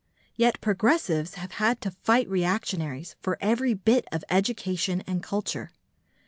Yet progressives have had to fight reactionaries for every bit of education and culture.